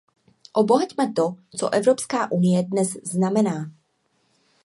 Obohaťme to, co Evropská unie dnes znamená.